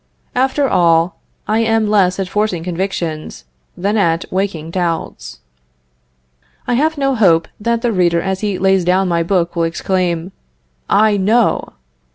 After all, I am less at forcing convictions, than at waking doubts. I have no hope that the reader as he lays down my book will exclaim, I know.